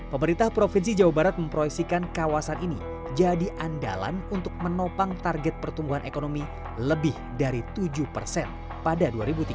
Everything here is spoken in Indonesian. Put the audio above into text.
pemerintah provinsi jawa barat memproyeksikan kawasan ini jadi andalan untuk menopang target pertumbuhan ekonomi lebih dari tujuh persen pada dua ribu tiga puluh